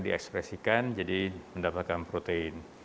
dan di ekspresikan jadi mendapatkan protein